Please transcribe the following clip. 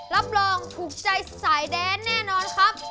รับรองถูกใจสายแดนแน่นอนครับ